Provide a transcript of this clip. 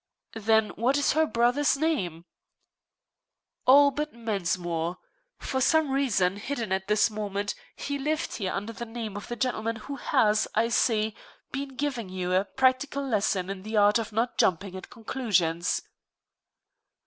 "Then what is her brother's name?" "Albert Mensmore. For some reason, hidden at this moment, he lived here under the name of the gentleman who has, I see, been giving you a practical lesson in the art of not jumping at conclusions."